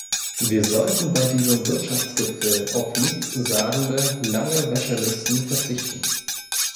Wir sollten bei diesem Wirtschaftsgipfel auf nichts sagende lange Wäschelisten verzichten!